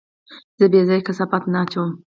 زه بېځايه کثافات نه اچوم.